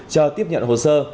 chờ tiếp nhận hồ sơ